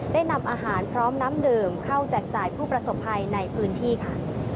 ได้นำอาหารพร้อมน้ำดื่มเข้าแจกจ่ายผู้ประสบภัยในพื้นที่ค่ะ